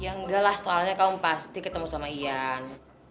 ya enggak lah soalnya kamu pasti ketemu sama ian